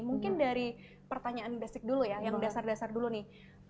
mungkin dari pertanyaan basic dulu ya yang dasar dasar dulu nih